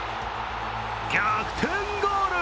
逆転ゴール！